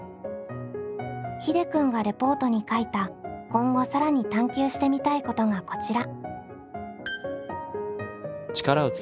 ひでくんがレポートに書いた今後更に探究してみたいことがこちら。